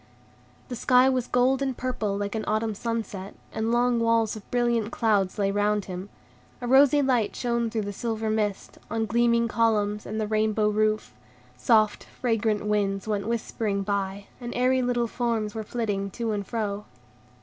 The sky was gold and purple like an autumn sunset, and long walls of brilliant clouds lay round him. A rosy light shone through the silver mist, on gleaming columns and the rainbow roof; soft, fragrant winds went whispering by, and airy little forms were flitting to and fro.